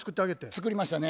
作りましたね。